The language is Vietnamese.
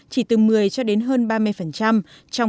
chỉ từ một mươi cho đến hơn ba mươi